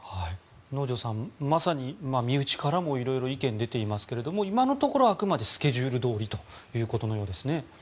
能條さんまさに身内からも色々な意見が出ていますが今のところあくまでスケジュールどおりということのようですね。